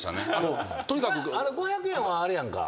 ５００円はあれやんか。